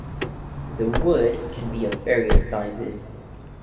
The wood can be of various sizes.